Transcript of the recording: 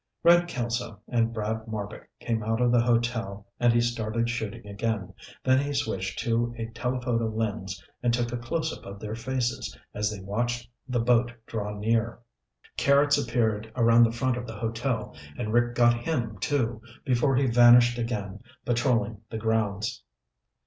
Red Kelso and Brad Marbek came out of the hotel and he started shooting again, then he switched to a telephoto lens and took a close up of their faces as they watched the boat draw near. Carrots appeared around the front of the hotel and Rick got him, too, before he vanished again, patrolling the grounds.